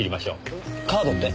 カードって？